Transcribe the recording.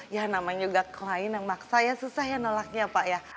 ya namanya juga klien yang maksa ya susah ya nolaknya pak ya